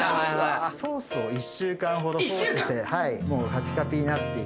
ソースを１週間ほど放置してもうカピカピになっている。